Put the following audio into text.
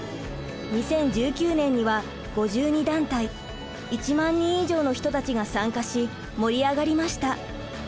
２０１９年には５２団体１万人以上の人たちが参加し盛り上がりました。